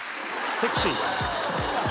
セクシー。